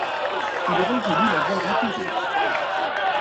Il aurait voulu la voir enterrée...